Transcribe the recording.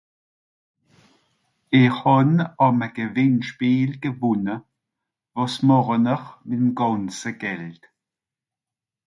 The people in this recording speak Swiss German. er hàn àm gewìnnschpeel gewònne wàs màchen'r m'em gànze Geld